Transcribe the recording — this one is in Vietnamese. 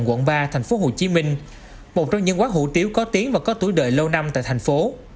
quận ba tp hcm một trong những quán hủ tiếu có tiếng và có tuổi đời lâu năm tại thành phố